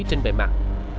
trên bề mặt